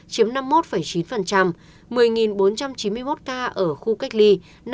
chiếm năm mươi một chín một mươi bốn trăm chín mươi một ca ở khu cách ly năm sáu mươi tám